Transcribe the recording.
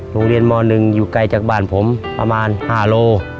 โรงเรียนม๑อยู่ไกลจากบ้านผมประมาณ๕โล